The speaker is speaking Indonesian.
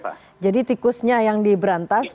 oke jadi tikusnya yang diberantas